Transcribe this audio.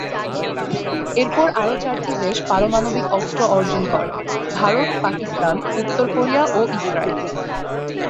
এরপর আরও চারটি দেশ পারমাণবিক অস্ত্র অর্জন করে: ভারত, পাকিস্তান, উত্তর কোরিয়া ও ইসরায়েল।